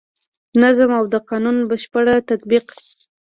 نظم او د قانون بشپړ تطبیق.